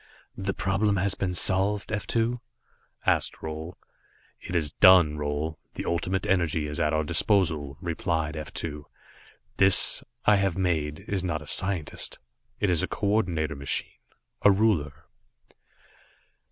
"The problem has been solved, F 2?" asked Roal. "It is done, Roal. The Ultimate Energy is at our disposal," replied F 2. "This, I have made, is not a scientist. It is a coordinator machine a ruler."